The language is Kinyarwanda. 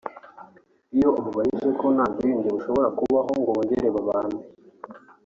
Iyo umubajije niba nta bwiyunge bushobora kubaho ngo bongere babane